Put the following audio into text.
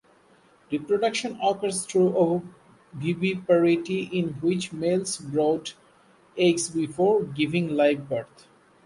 Reproduction occurs through ovoviviparity in which males brood eggs before giving live birth.